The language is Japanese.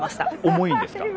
重いんですか？